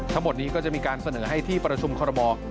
ทั้งหมดนี้ก็จะมีการเสนอให้ที่ประชุมคอรมอล